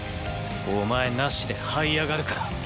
お前なしではい上がるから。